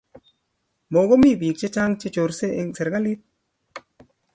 Makomii biik chechang che chorse eng serikalit